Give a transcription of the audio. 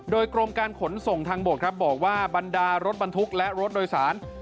โดยกรมการขนส่งทางบกครับบอกว่าบรรดารถบรรทุกและรถโดยสาร